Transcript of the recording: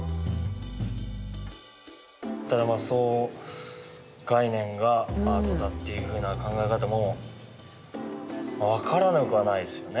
ただまあそう概念がアートだっていうふうな考え方も分からなくはないですよね。